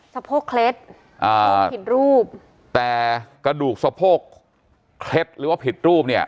สะโพกเคล็ดอ่าผิดรูปแต่กระดูกสะโพกเคล็ดหรือว่าผิดรูปเนี่ย